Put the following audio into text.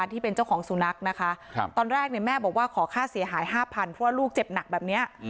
ที่เป็นเจ้าของสุนัขนะคะตอนแรกเนี่ยแม่บอกว่าขอค่าเสียหาย๕๐๐เพราะว่าลูกเจ็บหนักแบบนี้